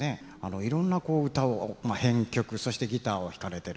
いろんな歌を編曲そしてギターを弾かれてる。